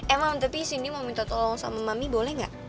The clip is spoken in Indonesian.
eh mam tapi sindi mau minta tolong sama mami boleh gak